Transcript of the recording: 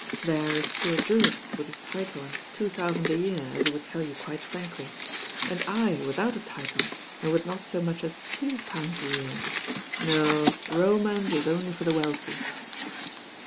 There IS poor Drewitt with his title and two thousand a year, as he would tcU you quite frankly, and I, i 176 THE BAIN OIRL without a title and with not lo much at two pounds a year. No, romance is only for the wealthy."